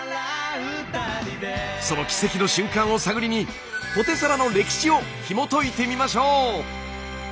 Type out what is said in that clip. その奇跡の瞬間を探りにポテサラの歴史をひもといてみましょう！